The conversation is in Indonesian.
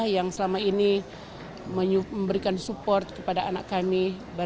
yang selama ini memberikan support kepada anak kami